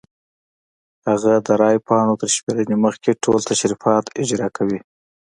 هغه د رای پاڼو تر شمېرنې مخکې ټول تشریفات اجرا کوي.